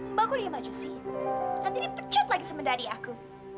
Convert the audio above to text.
mbak gue diam aja sih nanti ini pecat lagi semen dari aku